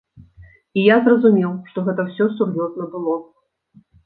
І я зразумеў, што гэта ўсё сур'ёзна было.